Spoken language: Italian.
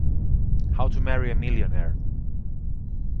How to Marry a Millionaire